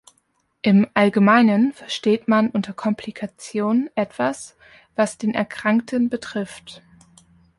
Im Allgemeinen versteht man unter "Komplikation" etwas, was den Erkrankten betrifft.